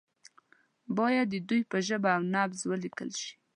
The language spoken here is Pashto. باید د دوی په ژبه او نبض ولیکل شي.